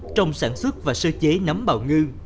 trong sản xuất và sơ chế nấm bào ngư